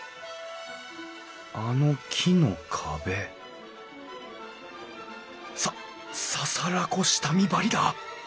あの木の壁さ簓子下見張りだ！